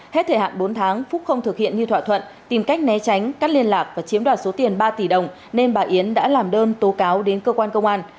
hết thời hạn bốn tháng phúc không thực hiện như thỏa thuận tìm cách né tránh cắt liên lạc và chiếm đoạt số tiền ba tỷ đồng nên bà yến đã làm đơn tố cáo đến cơ quan công an